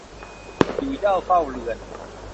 อยู่เหย้าเฝ้าเรือน